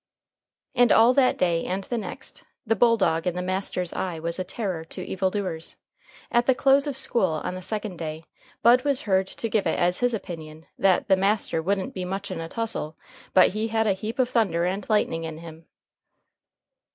And all that day and the next, the bulldog in the master's eye was a terror to evil doers. At the close of school on the second day Bud was heard to give it as his opinion that "the master wouldn't be much in a tussle, but he had a heap of thunder and lightning in him."